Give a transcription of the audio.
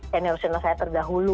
generation nya saya terdahulu